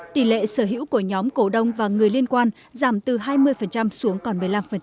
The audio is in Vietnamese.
tỷ lệ sở hữu của nhóm cổ đông và người liên quan giảm từ hai mươi xuống còn một mươi năm